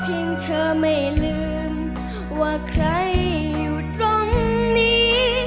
เธอไม่ลืมว่าใครอยู่ตรงนี้